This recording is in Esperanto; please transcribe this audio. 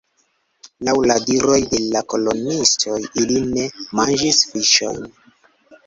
Laŭ la diroj de la koloniistoj, ili ne manĝis fiŝojn.